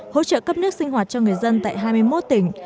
hỗ trợ cấp nước sinh hoạt cho người dân tại hai mươi một tỉnh